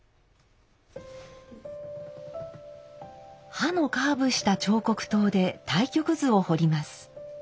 刃のカーブした彫刻刀で太極図を彫ります。